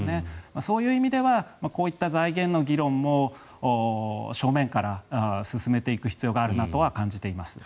そういう意味ではこういった財源の議論も正面から進めていく必要があるなとは感じています。